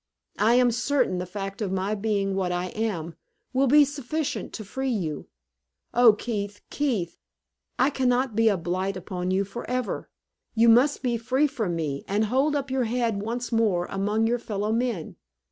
I am certain the fact of my being what I am, will be sufficient to free you. Oh, Keith, Keith! I can not be a blight upon you forever! You must be free from me, and hold up your head once more among your fellowmen.